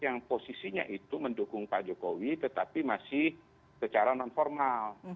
yang posisinya itu mendukung pak jokowi tetapi masih secara non formal